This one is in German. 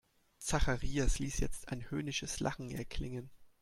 Zacharias ließ jetzt ein höhnisches Lachen erklingen.